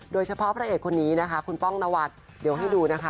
พระเอกคนนี้นะคะคุณป้องนวัดเดี๋ยวให้ดูนะคะ